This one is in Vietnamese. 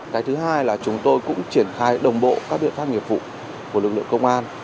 cái thứ hai là chúng tôi cũng triển khai đồng bộ các biện pháp nghiệp vụ của lực lượng công an